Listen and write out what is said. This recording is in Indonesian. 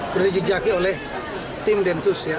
sudah dijaki oleh tim densus ya